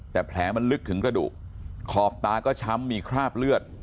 แต่แผลมันลึกถึงกระดูกขอบตาก็ช้ำมีคราบเลือด